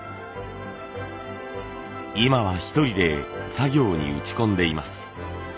今は一人で作業に打ち込んでいます。